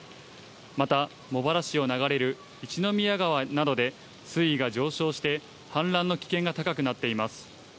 また、茂原市を流れる一宮川などで水位が上昇して、氾濫の危険が高くなっています。